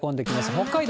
北海道